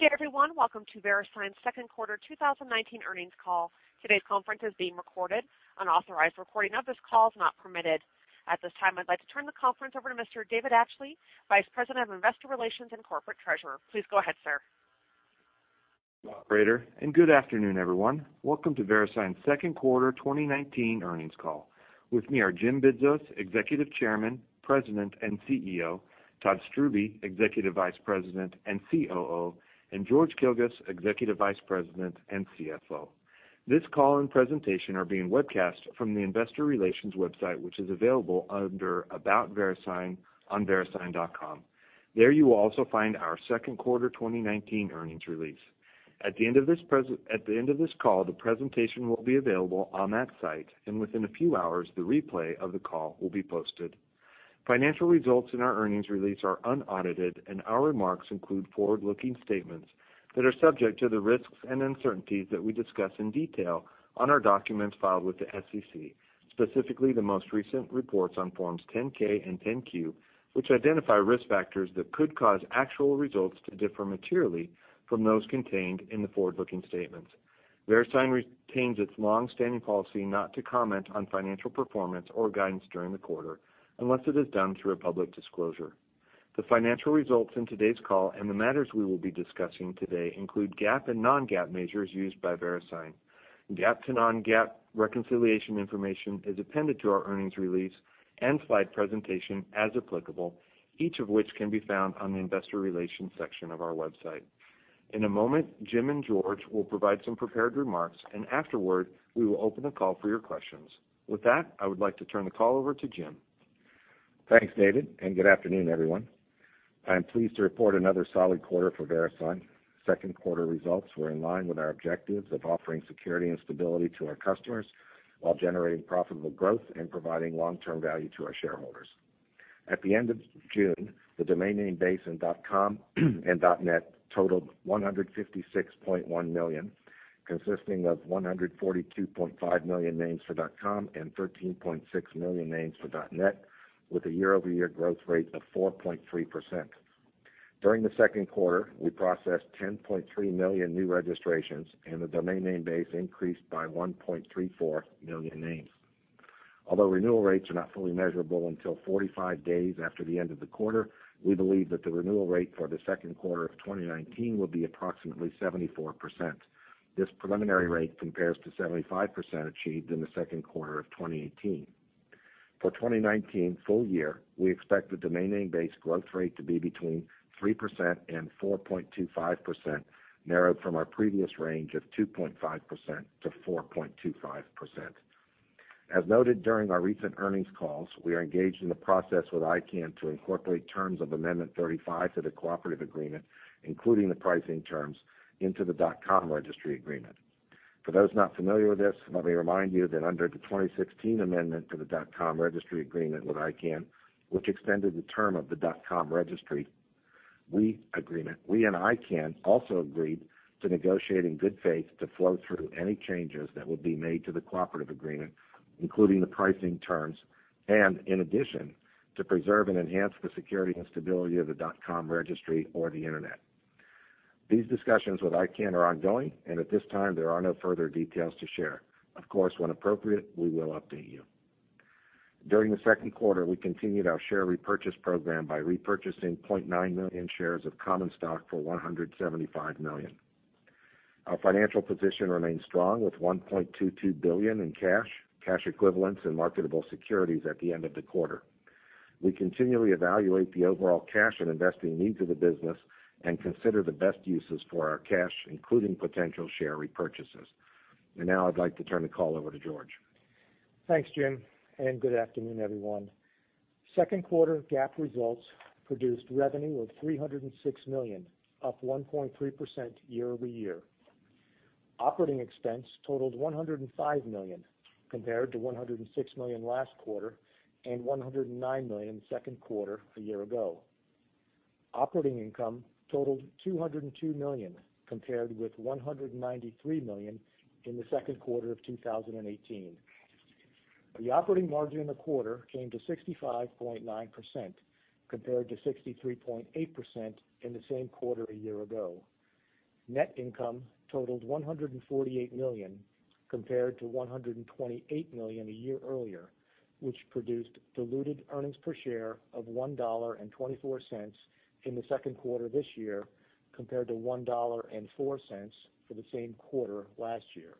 Good day, everyone. Welcome to VeriSign's Second Quarter 2019 Earnings Call. Today's conference is being recorded. Unauthorized recording of this call is not permitted. At this time, I'd like to turn the conference over to Mr. David Atchley, Vice President of Investor Relations and Corporate Treasurer. Please go ahead, sir. Operator, good afternoon, everyone. Welcome to VeriSign's second quarter 2019 earnings call. With me are Jim Bidzos, Executive Chairman, President, and CEO, Todd Strubbe, Executive Vice President and COO, and George Kilguss, Executive Vice President and CFO. This call and presentation are being webcast from the investor relations website, which is available under About VeriSign on verisign.com. There you will also find our second quarter 2019 earnings release. At the end of this call, the presentation will be available on that site, and within a few hours, the replay of the call will be posted. Financial results in our earnings release are unaudited. Our remarks include forward-looking statements that are subject to the risks and uncertainties that we discuss in detail on our documents filed with the SEC, specifically the most recent reports on Forms 10-K and 10-Q, which identify risk factors that could cause actual results to differ materially from those contained in the forward-looking statements. VeriSign retains its longstanding policy not to comment on financial performance or guidance during the quarter unless it is done through a public disclosure. The financial results in today's call and the matters we will be discussing today include GAAP and non-GAAP measures used by VeriSign. GAAP to non-GAAP reconciliation information is appended to our earnings release and slide presentation as applicable, each of which can be found on the investor relations section of our website. In a moment, Jim and George will provide some prepared remarks, and afterward, we will open the call for your questions. With that, I would like to turn the call over to Jim. Thanks, David, good afternoon, everyone. I am pleased to report another solid quarter for VeriSign. Second quarter results were in line with our objectives of offering security and stability to our customers while generating profitable growth and providing long-term value to our shareholders. At the end of June, the domain name base in .com and .net totaled 156.1 million, consisting of 142.5 million names for .com and 13.6 million names for .net, with a year-over-year growth rate of 4.3%. During the second quarter, we processed 10.3 million new registrations, and the domain name base increased by 1.34 million names. Although renewal rates are not fully measurable until 45 days after the end of the quarter, we believe that the renewal rate for the second quarter of 2019 will be approximately 74%. This preliminary rate compares to 75% achieved in the second quarter of 2018. For 2019 full year, we expect the domain name base growth rate to be between 3% and 4.25%, narrowed from our previous range of 2.5%-4.25%. As noted during our recent earnings calls, we are engaged in the process with ICANN to incorporate terms of Amendment 35 to the Cooperative Agreement, including the pricing terms into the .com Registry Agreement. For those not familiar with this, let me remind you that under the 2016 amendment to the .com Registry Agreement with ICANN, which extended the term of the .com Registry Agreement, we and ICANN also agreed to negotiate in good faith to flow through any changes that would be made to the Cooperative Agreement, including the pricing terms, and in addition, to preserve and enhance the security and stability of the .com registry or the internet. These discussions with ICANN are ongoing. At this time, there are no further details to share. Of course, when appropriate, we will update you. During the second quarter, we continued our share repurchase program by repurchasing 0.9 million shares of common stock for $175 million. Our financial position remains strong with $1.22 billion in cash equivalents, and marketable securities at the end of the quarter. We continually evaluate the overall cash and investing needs of the business and consider the best uses for our cash, including potential share repurchases. Now I'd like to turn the call over to George. Thanks, Jim. Good afternoon, everyone. Second quarter GAAP results produced revenue of $306 million, up 1.3% year-over-year. Operating expense totaled $105 million, compared to $106 million last quarter and $109 million the second quarter a year ago. Operating income totaled $202 million, compared with $193 million in the second quarter of 2018. The operating margin in the quarter came to 65.9%, compared to 63.8% in the same quarter a year ago. Net income totaled $148 million, compared to $128 million a year earlier, which produced diluted earnings per share of $1.24 in the second quarter this year, compared to $1.04 for the same quarter last year.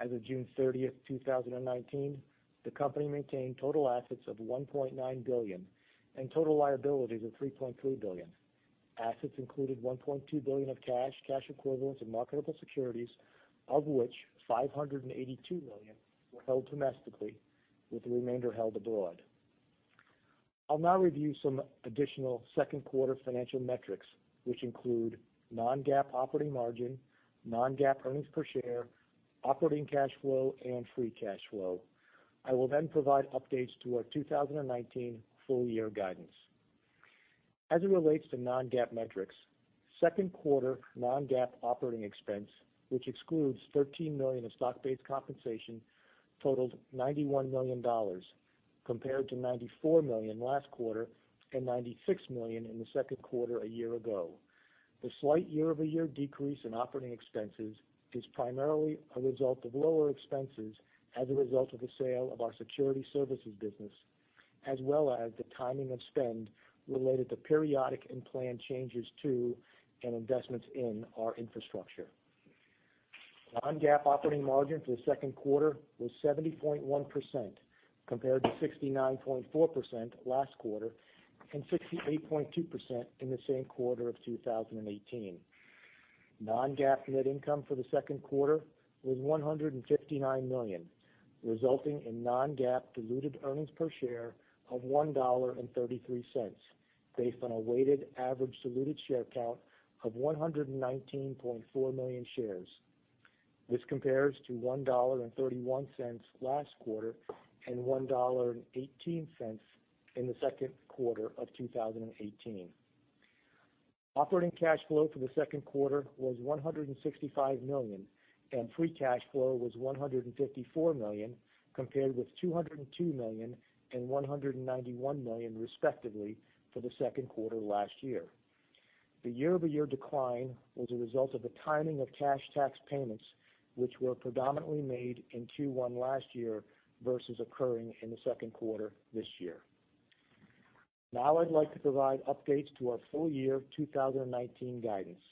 As of June 30th, 2019, the company maintained total assets of $1.9 billion and total liabilities of $3.3 billion. Assets included $1.2 billion of cash, cash equivalents, and marketable securities, of which $582 million were held domestically, with the remainder held abroad. I'll now review some additional second-quarter financial metrics, which include non-GAAP operating margin, non-GAAP earnings per share, operating cash flow, and free cash flow. I will provide updates to our 2019 full-year guidance. As it relates to non-GAAP metrics, second quarter non-GAAP operating expense, which excludes $13 million of stock-based compensation, totaled $91 million. Compared to $94 million last quarter and $96 million in the second quarter a year ago. The slight year-over-year decrease in operating expenses is primarily a result of lower expenses as a result of the sale of our security services business, as well as the timing of spend related to periodic and planned changes to, and investments in, our infrastructure. Non-GAAP operating margin for the second quarter was 70.1%, compared to 69.4% last quarter and 68.2% in the same quarter of 2018. Non-GAAP net income for the second quarter was $159 million, resulting in non-GAAP diluted earnings per share of $1.33, based on a weighted average diluted share count of 119.4 million shares. This compares to $1.31 last quarter and $1.18 in the second quarter of 2018. Operating cash flow for the second quarter was $165 million, and free cash flow was $154 million, compared with $202 million and $191 million respectively for the second quarter last year. The year-over-year decline was a result of the timing of cash tax payments, which were predominantly made in Q1 last year versus occurring in the second quarter this year. Now I'd like to provide updates to our full year 2019 guidance.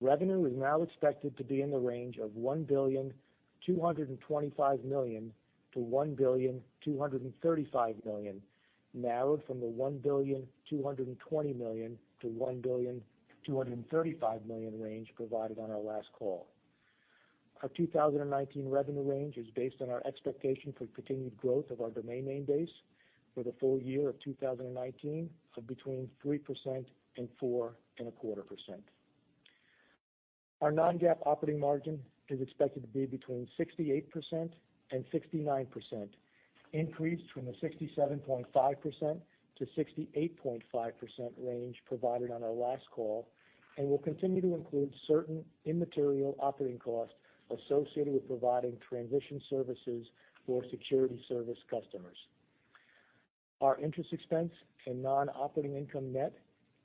Revenue is now expected to be in the range of $1,225,000,000-$1,235,000,000, narrowed from the $1,220,000,000-$1,235,000,000 range provided on our last call. Our 2019 revenue range is based on our expectation for continued growth of our domain name base for the full year of 2019 of between 3% and 4.25%. Our non-GAAP operating margin is expected to be between 68% and 69%, increased from the 67.5%-68.5% range provided on our last call, and will continue to include certain immaterial operating costs associated with providing transition services for security service customers. Our interest expense and non-operating income net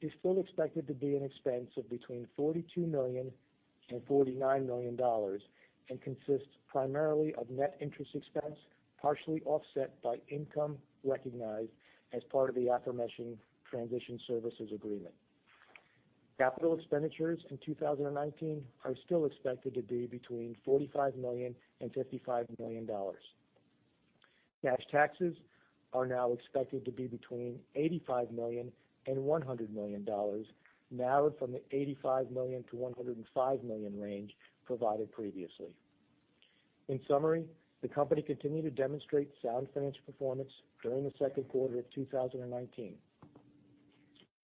is still expected to be an expense of between $42 million and $49 million and consists primarily of net interest expense, partially offset by income recognized as part of the aforementioned transition services agreement. Capital expenditures in 2019 are still expected to be between $45 million and $55 million. Cash taxes are now expected to be between $85 million and $100 million, narrowed from the $85 million-$105 million range provided previously. In summary, the company continued to demonstrate sound financial performance during the second quarter of 2019.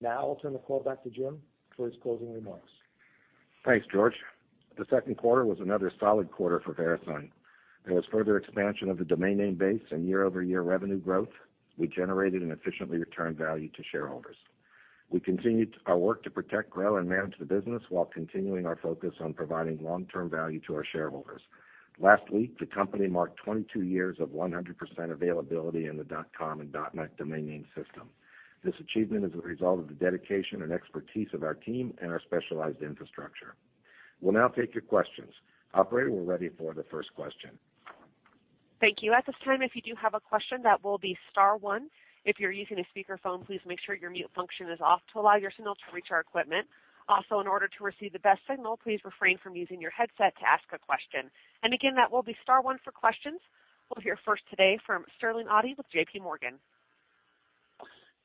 I'll turn the call back to Jim for his closing remarks. Thanks, George. The second quarter was another solid quarter for VeriSign. There was further expansion of the domain name base and year-over-year revenue growth. We generated and efficiently returned value to shareholders. We continued our work to protect, grow, and manage the business while continuing our focus on providing long-term value to our shareholders. Last week, the company marked 22 years of 100% availability in the .com and .net domain name system. This achievement is a result of the dedication and expertise of our team and our specialized infrastructure. We'll now take your questions. Operator, we're ready for the first question. Thank you. At this time, if you do have a question, that will be star one. If you're using a speakerphone, please make sure your mute function is off to allow your signal to reach our equipment. Also, in order to receive the best signal, please refrain from using your headset to ask a question. Again, that will be star one for questions. We'll hear first today from Sterling Auty with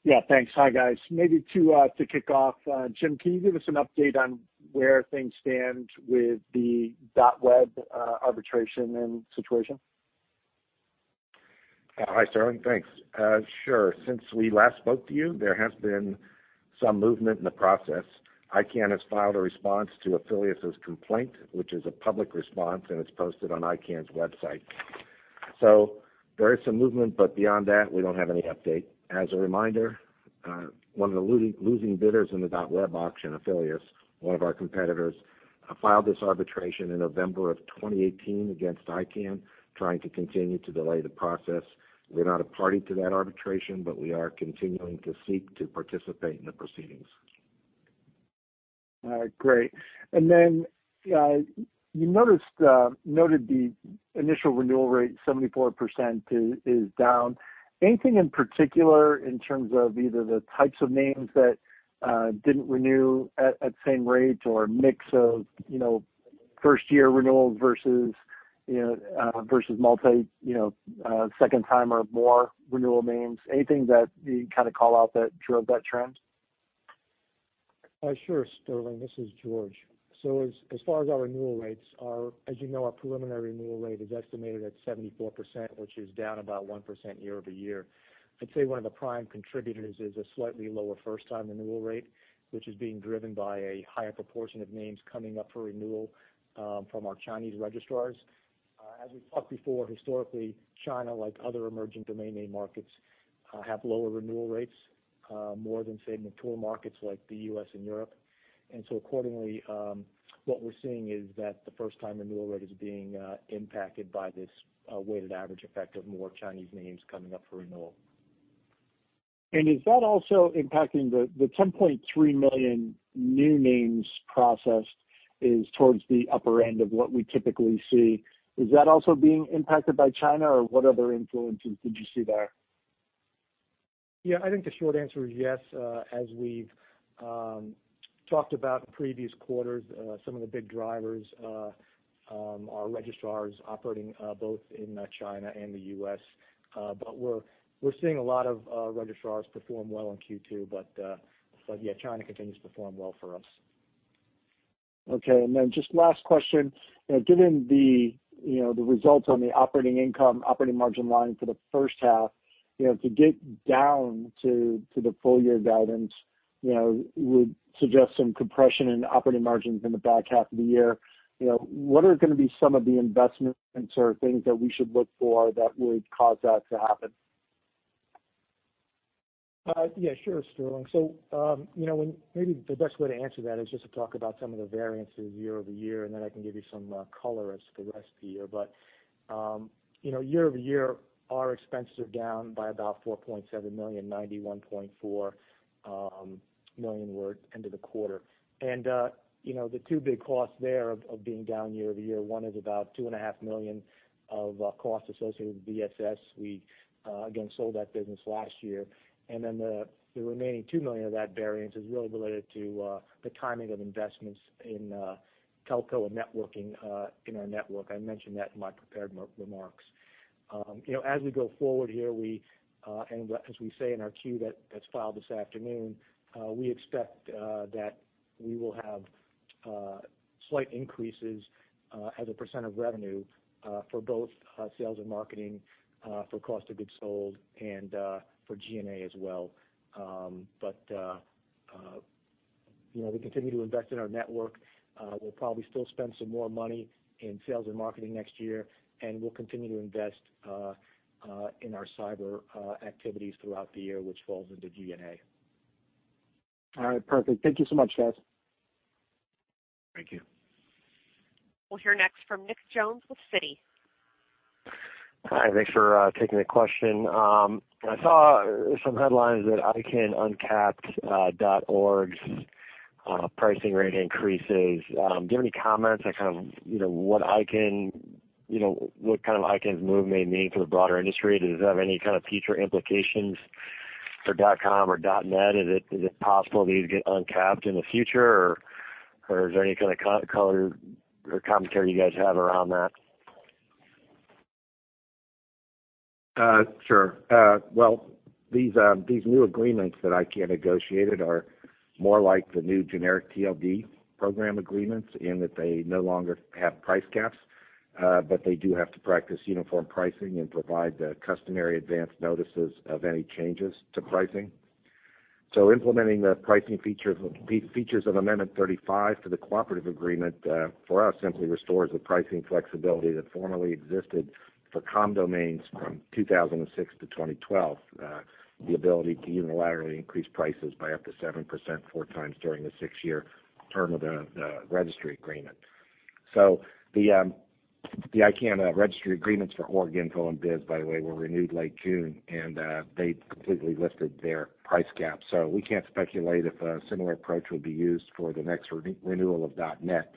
JPMorgan. Thanks. Hi, guys. Maybe to kick off, Jim, can you give us an update on where things stand with the .web arbitration and situation? Hi, Sterling. Thanks. Sure. Since we last spoke to you, there has been some movement in the process. ICANN has filed a response to Afilias' complaint, which is a public response, and it's posted on ICANN's website. There is some movement, but beyond that, we don't have any update. As a reminder, one of the losing bidders in the .web auction, Afilias, one of our competitors, filed this arbitration in November of 2018 against ICANN, trying to continue to delay the process. We're not a party to that arbitration, but we are continuing to seek to participate in the proceedings. All right, great. Then, you noted the initial renewal rate, 74%, is down. Anything in particular in terms of either the types of names that didn't renew at the same rate or a mix of first-year renewals versus multi, second time or more renewal names? Anything that you'd call out that drove that trend? Sure, Sterling. This is George. As far as our renewal rates, as you know, our preliminary renewal rate is estimated at 74%, which is down about 1% year-over-year. I'd say one of the prime contributors is a slightly lower first-time renewal rate, which is being driven by a higher proportion of names coming up for renewal from our Chinese registrars. As we've talked before, historically, China, like other emerging domain name markets, have lower renewal rates. More than, say, mature markets like the U.S. and Europe. Accordingly, what we're seeing is that the first time renewal rate is being impacted by this weighted average effect of more Chinese names coming up for renewal. Is that also impacting the 10.3 million new names processed is towards the upper end of what we typically see? Is that also being impacted by China, or what other influences did you see there? Yeah, I think the short answer is yes. As we've talked about in previous quarters, some of the big drivers are registrars operating both in China and the U.S. We're seeing a lot of registrars perform well in Q2, but yeah, China continues to perform well for us. Okay, just last question. Given the results on the operating income, operating margin line for the first half, to get down to the full year guidance would suggest some compression in operating margins in the back half of the year. What are going to be some of the investments or things that we should look for that would cause that to happen? Yeah, sure, Sterling. Maybe the best way to answer that is just to talk about some of the variances year-over-year, and then I can give you some color as to the rest of the year. Year-over-year, our expenses are down by about $4.7 million, $91.4 million were end of the quarter. The two big costs there of being down year-over-year, one is about $2.5 million of costs associated with VSS. We, again, sold that business last year. The remaining $2 million of that variance is really related to the timing of investments in telco and networking in our network. I mentioned that in my prepared remarks. As we go forward here, as we say in our 10-Q that's filed this afternoon, we expect that we will have slight increases as a percent of revenue for both sales and marketing for cost of goods sold and for G&A as well. We continue to invest in our network. We'll probably still spend some more money in sales and marketing next year, and we'll continue to invest in our cyber activities throughout the year, which falls into G&A. All right, perfect. Thank you so much, guys. Thank you. We'll hear next from Nick Jones with Citi. Hi, thanks for taking the question. I saw some headlines that ICANN uncapped .org's pricing rate increases. Do you have any comments on what kind of ICANN's move may mean for the broader industry? Does it have any kind of future implications for .com or .net? Is it possible these get uncapped in the future, or is there any kind of color or commentary you guys have around that? Sure. Well, these new agreements that ICANN negotiated are more like the new generic TLD program agreements in that they no longer have price caps, but they do have to practice uniform pricing and provide the customary advanced notices of any changes to pricing. Implementing the pricing features of Amendment 35 to the Cooperative Agreement for us simply restores the pricing flexibility that formerly existed for .com domains from 2006 to 2012. The ability to unilaterally increase prices by up to 7% 4x during the six-year term of the registry agreement. The ICANN Registry Agreements for .org, .info, and .biz, by the way, were renewed late June, and they completely lifted their price cap. We can't speculate if a similar approach will be used for the next renewal of .net.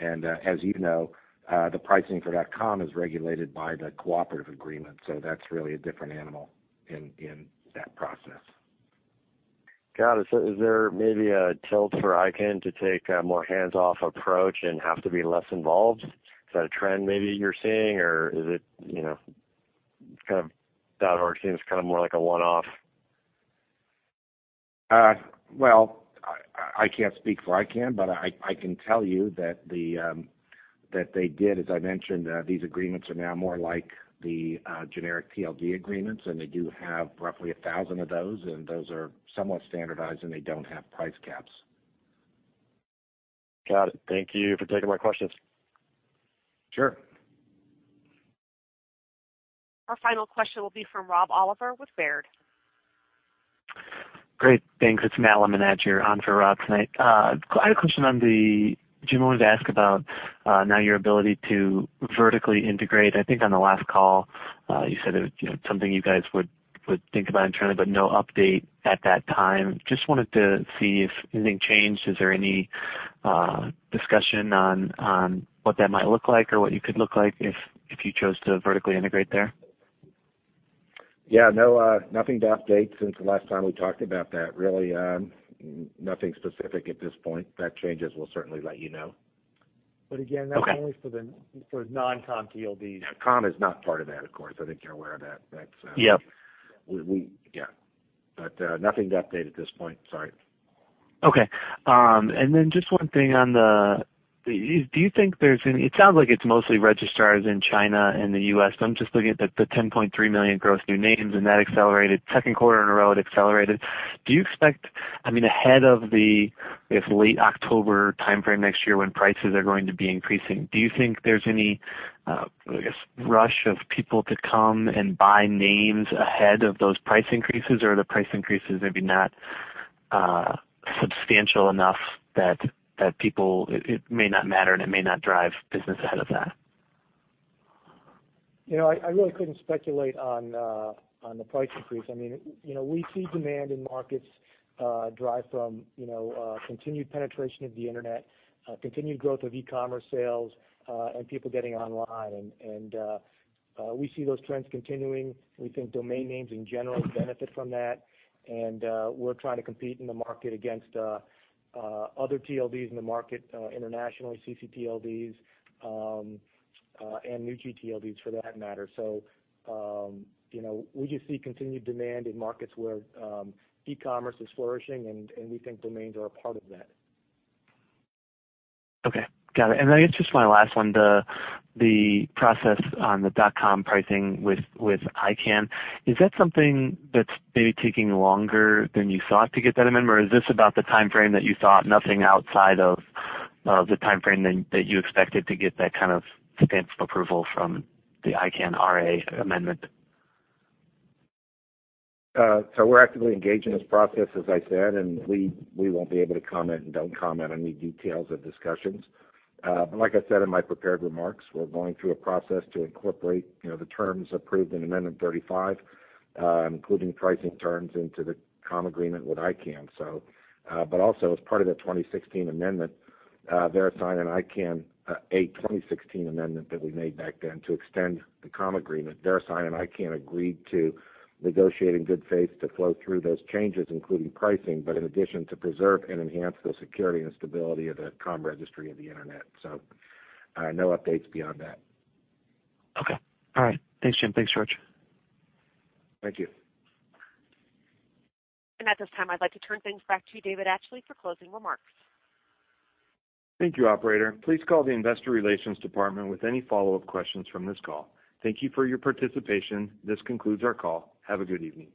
As you know, the pricing for .com is regulated by the Cooperative Agreement, so that's really a different animal in that process. Got it. Is there maybe a tilt for ICANN to take a more hands-off approach and have to be less involved? Is that a trend maybe you're seeing, or is it kind of .org seems more like a one-off? Well, I can't speak for ICANN, but I can tell you that they did, as I mentioned, these agreements are now more like the generic TLD agreements, and they do have roughly 1,000 of those, and those are somewhat standardized, and they don't have price caps. Got it. Thank you for taking my questions. Sure. Our final question will be from Rob Oliver with Baird. Great. Thanks. It's Matt Lemenager on for Rob tonight. I had a question on Jim wanted to ask about now your ability to vertically integrate. I think on the last call, you said it was something you guys would think about internally, but no update at that time. Just wanted to see if anything changed. Is there any discussion on what that might look like or what you could look like if you chose to vertically integrate there? Nothing to update since the last time we talked about that, really. Nothing specific at this point. If that changes, we'll certainly let you know. But again- Okay that's only for non-.com TLDs. Yeah, Com is not part of that, of course. I think you're aware of that. Yep. Nothing to update at this point, sorry. Okay. Just one thing. Do you think there's. It sounds like it's mostly registrars in China and the U.S., but I'm just looking at the 10.3 million gross new names, and that accelerated second quarter in a row, it accelerated. Do you expect? Ahead of the late October timeframe next year when prices are going to be increasing, do you think there's any rush of people to come and buy names ahead of those price increases? Or are the price increases maybe not substantial enough that it may not matter, and it may not drive business ahead of that? I really couldn't speculate on the price increase. We see demand in markets drive from continued penetration of the internet, continued growth of e-commerce sales, and people getting online. We see those trends continuing. We think domain names in general benefit from that, and we're trying to compete in the market against other TLDs in the market, internationally, ccTLDs, and new gTLDs for that matter. We just see continued demand in markets where e-commerce is flourishing, and we think domains are a part of that. Okay, got it. It's just my last one, the process on the .com pricing with ICANN. Is that something that's maybe taking longer than you thought to get that amendment, or is this about the timeframe that you thought, nothing outside of the timeframe that you expected to get that kind of stamp of approval from the ICANN RA amendment? We're actively engaged in this process, as I said, and we won't be able to comment and don't comment on any details of discussions. Like I said in my prepared remarks, we're going through a process to incorporate the terms approved in Amendment 35, including pricing terms into the .com agreement with ICANN. Also, as part of that 2016 amendment, VeriSign and ICANN, a 2016 amendment that we made back then to extend the .com agreement. VeriSign and ICANN agreed to negotiate in good faith to flow through those changes, including pricing, but in addition to preserve and enhance the security and stability of the .com registry of the internet. No updates beyond that. Okay. All right. Thanks, Jim. Thanks, George. Thank you. At this time, I'd like to turn things back to you, David Atchley, for closing remarks. Thank you, operator. Please call the investor relations department with any follow-up questions from this call. Thank you for your participation. This concludes our call. Have a good evening.